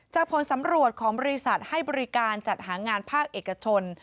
ผลสำรวจของบริษัทให้บริการจัดหางานภาคเอกชน